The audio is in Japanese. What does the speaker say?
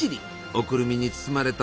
おくるみに包まれた